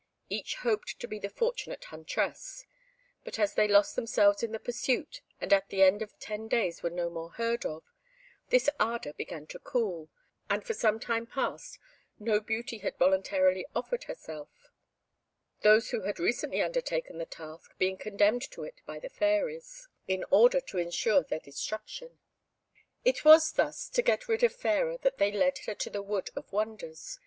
Each hoped to be the fortunate huntress; but as they lost themselves in the pursuit, and at the end of ten days were no more heard of, this ardour began to cool, and for some time past no beauty had voluntarily offered herself; those who had recently undertaken the task being condemned to it by the Fairies, in order to ensure their destruction. It was, thus, to get rid of Fairer that they led her to the Wood of Wonders.